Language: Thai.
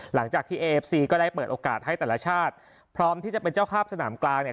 หลังจากที่เอฟซีก็ได้เปิดโอกาสให้แต่ละชาติพร้อมที่จะเป็นเจ้าภาพสนามกลางเนี่ย